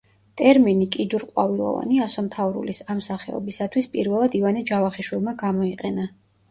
ტერმინი „კიდურყვავილოვანი“ ასომთავრულის ამ სახეობისათვის პირველად ივანე ჯავახიშვილმა გამოიყენა.